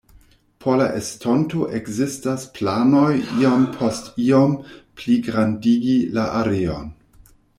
Por la estonto ekzistas planoj iom post iom pligrandigi la areon.